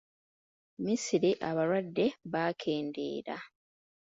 Misiri abalwadde baakendeera.